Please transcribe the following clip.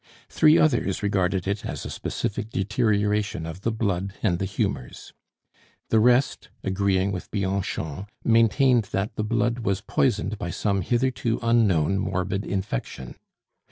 Three others regarded it as a specific deterioration of the blood and the humors. The rest, agreeing with Bianchon, maintained that the blood was poisoned by some hitherto unknown morbid infection.